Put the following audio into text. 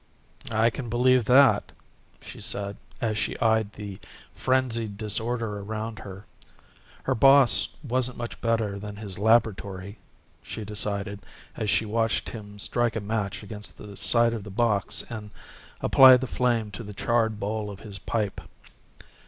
"I can believe that," she said as she eyed the frenzied disorder around her. Her boss wasn't much better than his laboratory, she decided as she watched him strike a match against the side of the box and apply the flame to the charred bowl of his pipe.